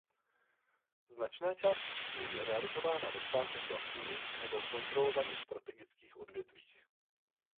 Značná část příjmů je realizována ve státem vlastněných nebo kontrolovaných strategických odvětvích.